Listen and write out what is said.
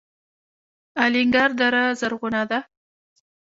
الینګار دره زرغونه ده؟